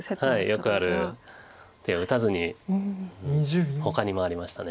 よくある手を打たずにほかに回りました。